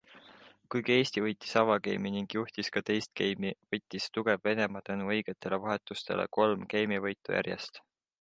Kuigi Eesti võitis avageimi ning juhtis ka teist geimi, võttis tugev Venemaa tänu õigetele vahetustele kolm geimivõitu järjest.